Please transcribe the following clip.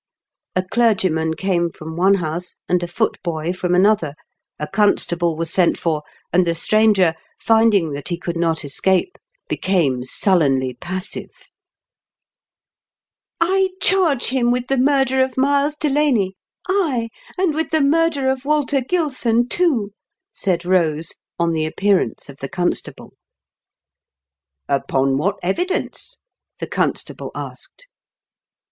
A clergyman came from one house, and a footboy from another, a constable was sent for, and the stranger, finding that he could not escape, became sullenly passive. THE DOOMED OF THE DARK ENTRY. 201 " I charge him with the murder of Miles Delaney 1 ay, and with the murder of Walter Gilson, too !" said Kose, on the appearance of the constable. " Upon what evidence ?" the constable asked.